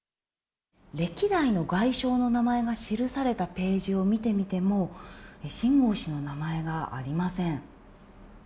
歴代の外相の名前が記されたページを見てみても、秦剛氏の名前がありません。